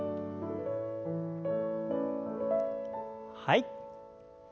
はい。